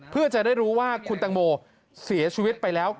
เพื่อจะได้รู้ว่าคุณตังโมเสียชีวิตไปแล้ว